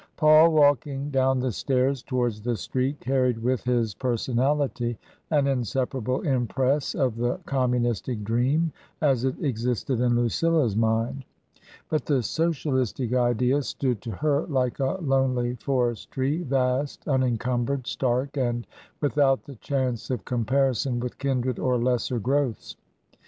Paul walking down the stairs towards the street carried with his personality an inseparable impress of the com munistic dream as it existed in Lucilla's mind. But the socialistic idea stood to her like a lonely forest tree, vast, unencumbered, stark, and without the chance of com parison with kindred or lesser growths.